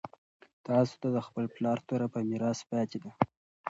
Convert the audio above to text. تاسو ته د خپل پلار توره په میراث پاتې ده.